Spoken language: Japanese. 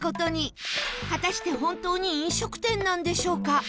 果たして本当に飲食店なんでしょうか？